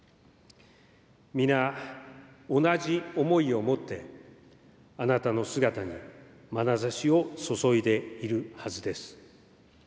皆、同じ思いを持って、あなたの姿にまなざしを注いでいるはずです。